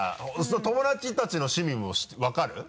友達たちの趣味も分かる？